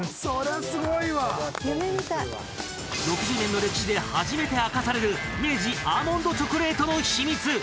６０年の歴史で初めて明かされる明治アーモンドチョコレートの秘密。